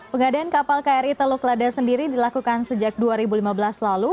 pengadaan kapal kri teluk lada sendiri dilakukan sejak dua ribu lima belas lalu